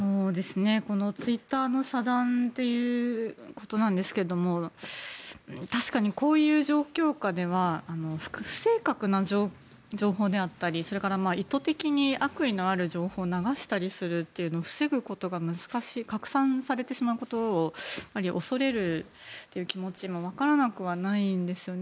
このツイッターの遮断ということなんですが確かにこういう状況下では不正確な情報であったり意図的に悪意がある情報を流したりするっていうのを防ぐことが難しい拡散されてしまうことを恐れるという気持ちもわからなくはないんですね。